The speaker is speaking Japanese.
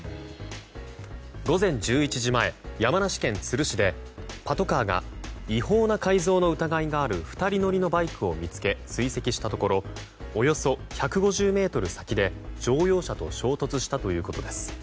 午前１１時前、山梨県都留市でパトカーが違法な改造の疑いがある２人乗りのバイクを見つけ追跡したところおよそ１５０ｍ先で、乗用車と衝突したということです。